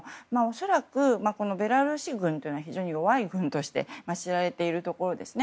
恐らく、ベラルーシ軍というのは非常に弱い軍として知られているところですね。